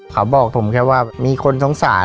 เขาบอกผมแค่ว่ามีคนสงสาร